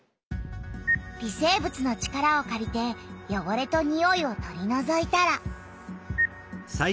微生物の力をかりてよごれとにおいを取りのぞいたら。